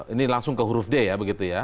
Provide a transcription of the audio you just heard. ini langsung ke huruf d ya